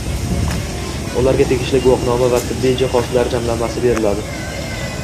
Ularga tegishli guvohnoma va tibbiy jihozlar jamlanmasi beriladi.